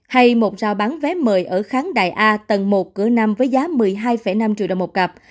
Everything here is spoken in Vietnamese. hay một rao bán vé mời ở kháng đại a tầng một cửa năm với giá một mươi hai năm triệu đồng một cặp